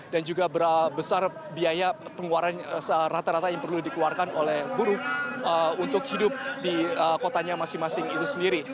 dan juga berapa besar biaya pengeluaran rata rata yang perlu dikeluarkan oleh buruh untuk hidup di kotanya masing masing itu sendiri